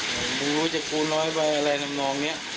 ไม่รู้จะกู้น้อยไปนำรองนี้